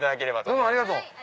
どうもありがとう！